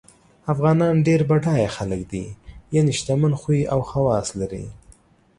افغانان ډېر بډایه خلګ دي یعنی شتمن خوی او خواص لري